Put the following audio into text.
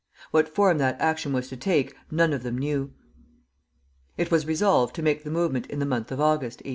What form that action was to take, none of them knew. It was resolved to make the movement in the month of August, 1840.